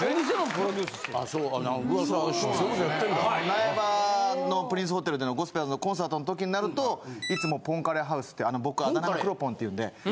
苗場のプリンスホテルでのゴスペラーズのコンサートの時になるといつもぽんカレーハウスって僕あだ名が黒ぽんっていうんで。